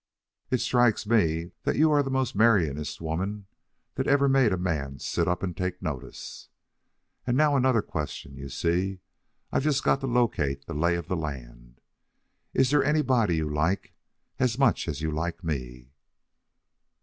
"It strikes me that you're the most marryingest woman that ever made a man sit up and take notice. And now another question. You see, I've just got to locate the lay of the land. Is there anybody you like as much as you like me?"